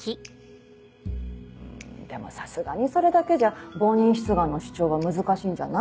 でもさすがにそれだけじゃ冒認出願の主張は難しいんじゃない？